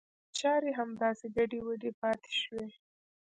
چاري همداسې ګډې وډې پاته شوې.